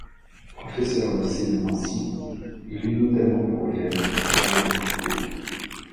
Professeur au lycée de Nancy, il eut notamment pour élève Charles de Foucauld.